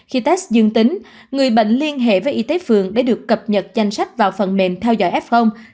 khi test dương tính người bệnh liên hệ với y tế phường để được cập nhật danh sách vào phần mềm theo dõi f